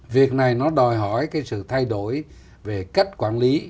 việc này nó đòi hỏi cái sự thay đổi về cách quản lý